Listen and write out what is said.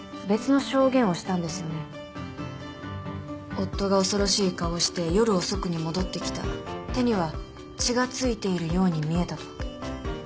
「夫が恐ろしい顔をして夜遅くに戻ってきた」「手には血が付いているように見えた」と。